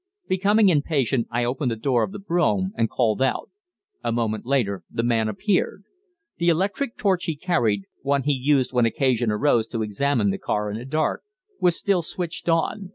Becoming impatient, I opened the door of the brougham, and called out. A moment later the man appeared. The electric torch he carried one he used when occasion arose to examine the car in the dark was still switched on.